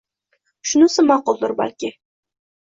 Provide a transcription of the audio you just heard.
Shunisi ma`quldir, balki